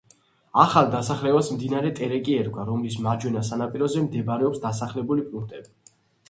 ახალ დასახლებას მდინარე ტერეკი ერქვა, რომლის მარჯვენა სანაპიროზე მდებარეობს დასახლებული პუნქტები.